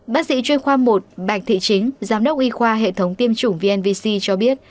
bác sĩ chuyên khoa một bạch thị chính giám đốc y khoa hệ thống tiêm chủng vnvc cho biết